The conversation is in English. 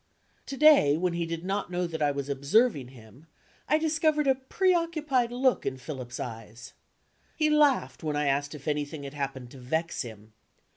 To day, when he did not know that I was observing him, I discovered a preoccupied look in Philip's eyes. He laughed when I asked if anything had happened to vex him.